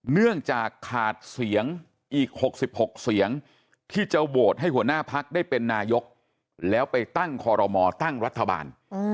เนื่องจากขาดเสียงอีก๖๖เสียงที่จะโหวตให้หัวหน้าพักได้เป็นนายกแล้วไปตั้งคอรมอตั้งรัฐบาล